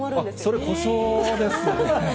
それ、故障ですね。